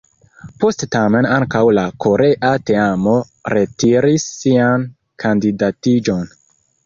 Poste tamen ankaŭ la korea teamo retiris sian kandidatiĝon.